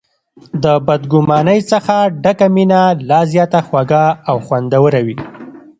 د بد ګمانۍ څخه ډکه مینه لا زیاته خوږه او خوندوره وي.